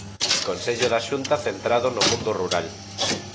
Consello da Xunta centrado no mundo rural.